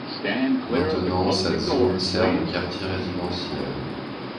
Maintenant, cette zone sert de quartier résidentiel.